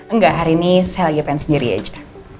nggak hari ini saya lagi pengen sendiri aja